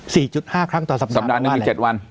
สี่จุดห้าครั้งต่อสัปดาห์สัปดาห์หนึ่งมีเจ็ดวัน